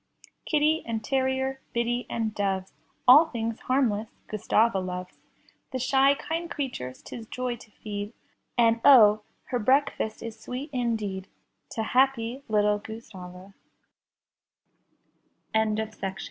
Kitty and terrier, biddy and doves. All things harmless Gustava loves. The shy, kind creatures 'tis joy to feed, And oh, her breakfast is sweet indeed To happy littl